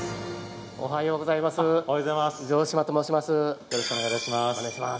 おはようございます。